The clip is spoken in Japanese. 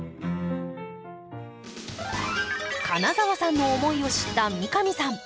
金澤さんの思いを知った三上さん。